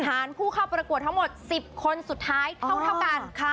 ฐานผู้เข้าประกวดทั้งหมดสิบคนสุดท้ายเท่าเท่ากันค่ะ